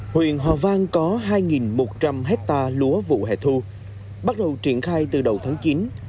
huyện hòa vang có hai một trăm linh hectare lúa vụ hẻ thu bắt đầu triển khai từ đầu tháng chín